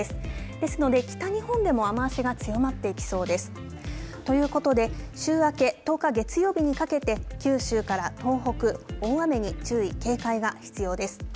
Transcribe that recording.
ですので北日本でも雨足が強まっていきそうです。ということで週明け、１０日月曜日にかけて九州から東北大雨に注意、警戒が必要です。